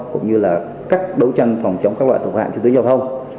cũng như là các đấu tranh phòng chống các loại tục phạm trật tự an toàn giao thông